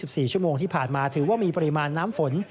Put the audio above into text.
สี่ชั่วโมงที่ผ่านมาถือว่ามีปริมาณน้ำฝน